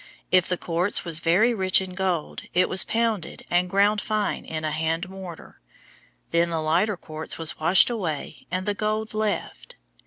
If the quartz was very rich in gold, it was pounded and ground fine in a hand mortar. Then the lighter quartz was washed away and the gold left.